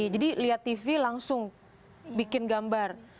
jadi lihat tv langsung bikin gambar